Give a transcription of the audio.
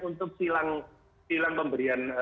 untuk silang pemberian